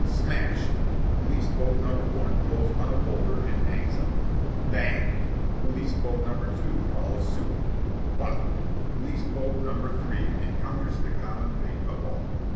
Smash! Police boat number one goes on a boulder and hangs up. Bang! Police boat number two follows suit. Whop! Police boat number three encounters the common fate of all.